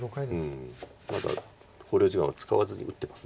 うんまだ考慮時間を使わずに打ってます